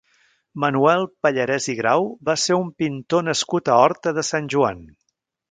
Manuel Pallarès i Grau va ser un pintor nascut a Horta de Sant Joan.